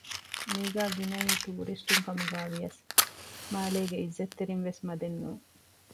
މީގައި ގިނައީ ޓޫރިސްޓުން ކަމުގައި ވިޔަސް މާލޭގެ އިއްޒަތްތެރިންވެސް މަދެއް ނޫން